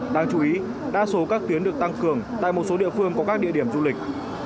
đáng chú ý đa số các tuyến được tăng cường tại một số địa phương có các địa điểm du lịch